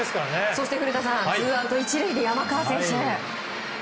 そして古田さんツーアウト１塁で、山川選手。